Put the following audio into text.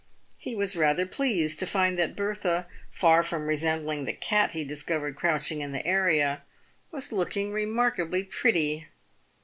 He was rather pleased to find that Bertha, far from resembling the cat he discovered crouching in the area, was looking remarkably pretty.